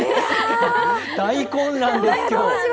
大混乱です、今日。